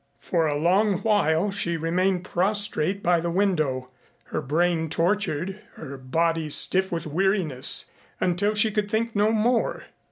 For a long while she remained prostrate by the window, her brain tortured, her body stiff with weariness, until she could think no more.